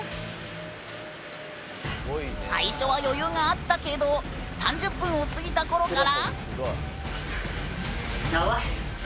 最初は余裕があったけど３０分を過ぎたころから。